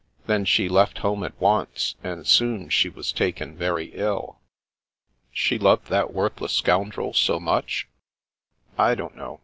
Then she left home at once, and soon she was taken very ill." " She loved that worthless scoundrel so much ?"" I don't know.